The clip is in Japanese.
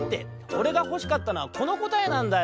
おれがほしかったのはこのこたえなんだよ。